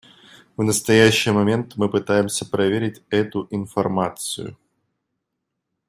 В настоящий момент мы пытаемся проверить эту информацию.